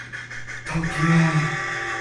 toki a!